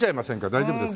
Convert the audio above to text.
大丈夫ですか？